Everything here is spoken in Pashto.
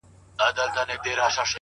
چي تا خر بولي پخپله بې عقلان دي!.